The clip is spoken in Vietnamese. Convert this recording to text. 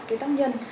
cái tác nhân